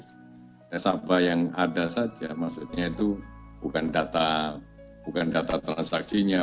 sapa sapa yang ada saja maksudnya itu bukan data transaksinya